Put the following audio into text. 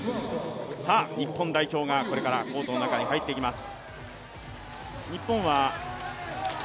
日本代表がこれからコートの中に入ってきます。